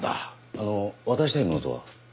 あの渡したいものとは？